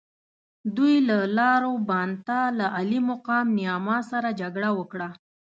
دوی له لاور بانتا له عالي مقام نیاما سره جګړه وکړه.